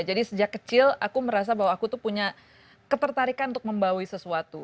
jadi sejak kecil aku merasa bahwa aku tuh punya ketertarikan untuk membawi sesuatu